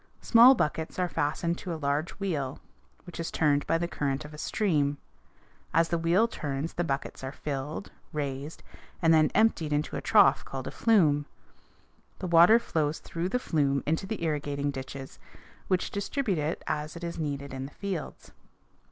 Small buckets are fastened to a large wheel, which is turned by the current of a stream. As the wheel turns, the buckets are filled, raised, and then emptied into a trough called a flume. The water flows through the flume into the irrigating ditches, which distribute it as it is needed in the fields.